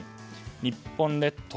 日本列島